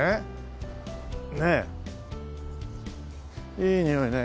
いいにおいね。